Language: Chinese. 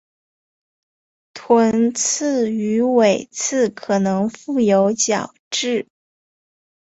臀刺与尾刺可能覆有角质。